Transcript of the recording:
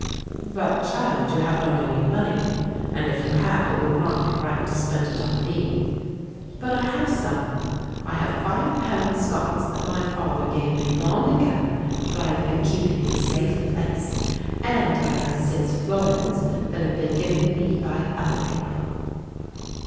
"But, child, you have not any money, and if you had it would not be right to spend it on me." "But I have some; I have five pounds Scots that my father gave me long ago that I have been keeping in a safe place, and I have six florins that have been given me by other people."